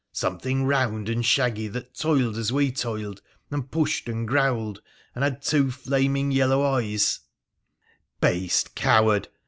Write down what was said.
— something round and shaggy, that toiled as we toiled, and pushed and growled, and had two flaming yellow eyes '' Beast ! coward